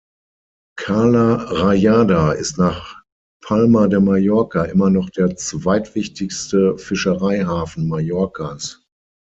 Cala Rajada ist nach Palma de Mallorca immer noch der zweitwichtigste Fischereihafen Mallorcas.